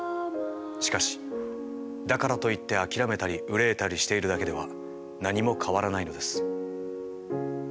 しかしだからといって諦めたり憂えたりしているだけでは何も変わらないのです。